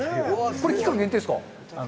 これ期間限定ですか？